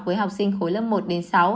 với học sinh khối lớp một đến sáu